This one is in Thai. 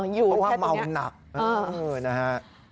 อยู่แค่ตรงนี้คือคือนะฮะ